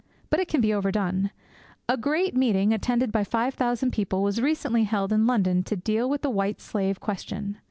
But it can be overdone. A great meeting, attended by five thousand people, was recently held in London to deal with the White Slave question.